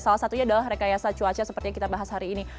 salah satunya adalah rekayasa cuaca seperti yang kita bahas hari ini